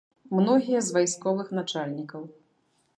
Многія з вайсковых начальнікаў.